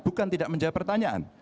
bukan tidak menjawab pertanyaan